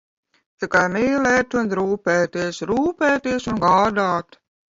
Tikai mīlēt un rūpēties, rūpēties un gādāt.